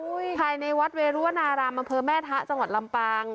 อุ้ยภายในวัดเวรั่วนารามบแม่ทะจังหวัดลำปาง